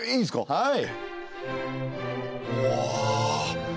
はい。